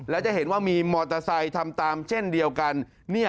และจะเห็นว่ามีมอเตอร์ไซค์ทำตามเช่นเดียวกัน